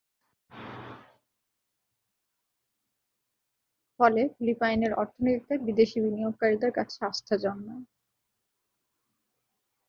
ফলে, ফিলিপাইনের অর্থনীতিতে বিদেশী বিনিয়োগকারীদের কাছে আস্থা জন্মায়।